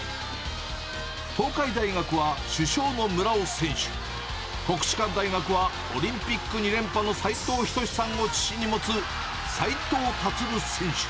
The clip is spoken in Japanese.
東海大学は、主将の村尾選手、国士舘大学はオリンピック２連覇の斉藤ひとしさんを父に持つ、斉藤立選手。